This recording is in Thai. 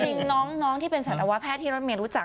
จริงน้องที่เป็นสัตวแพทย์ที่รถเมย์รู้จัก